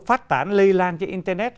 phát tán lây lan trên internet